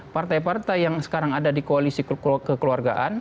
partai partai yang sekarang ada di koalisi kekeluargaan